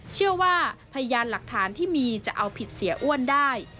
พยานหลักฐานที่มีจะเอาผิดเสียอ้วนได้